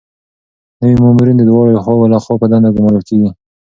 نوي مامورین د دواړو خواوو لخوا په دنده ګمارل کیږي.